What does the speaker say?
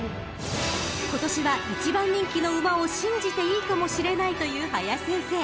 ［今年は１番人気の馬を信じていいかもしれないという林先生］